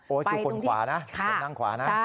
โอ๊ตคือคนขวานะนั่งขวานะ